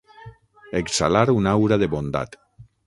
Exhalar una aura de bondat.